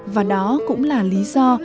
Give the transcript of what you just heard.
và đó cũng là lý do